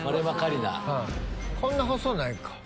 こんな細くないか。